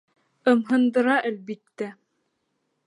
Ымһындыра, әлбиттә.